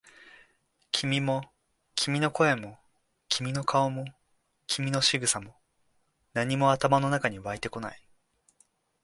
君も、君の声も、君の顔も、君の仕草も、何も頭の中に湧いてこない。